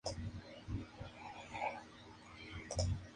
El incidente casi desencadena una guerra entre Grecia y Turquía.